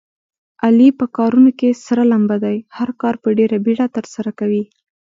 علي په کارونو کې سره لمبه دی. هر کار په ډېره بیړه ترسره کوي.